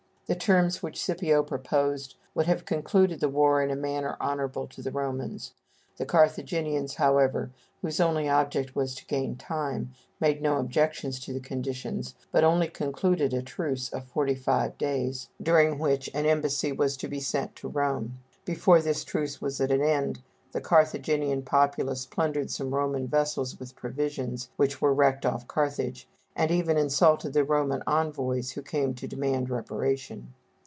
The terms which Scipio proposed would have concluded the war in a manner honorable to the Romans. The Carthaginians, however, whose only object was to gain time, made no objections to the conditions, but only concluded a truce of forty five days, during which an embassy was to be sent to Rome. Before this truce was at an end, the Carthaginian populace plundered some Roman vessels with provisions, which were wrecked off Carthage, and even insulted the Roman envoys who came to demand reparation.